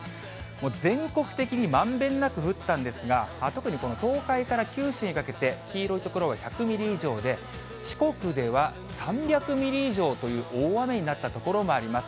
もう全国的にまんべんなく降ったんですが、特にこの東海から九州にかけて、黄色い所は１００ミリ以上で、四国では３００ミリ以上という大雨になった所もあります。